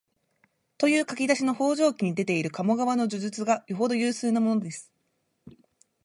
という書き出しの「方丈記」に出ている鴨川の叙述がよほど有数なものです